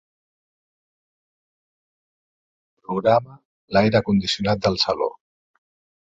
Programa l'aire condicionat del saló.